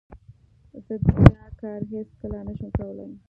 زه دا کار هیڅ کله نه شم کولای.